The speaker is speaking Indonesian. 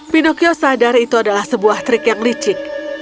pinocchio sadar itu adalah sebuah trik yang licik